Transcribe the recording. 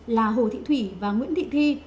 là hồ thị thủy và nguyễn thị thi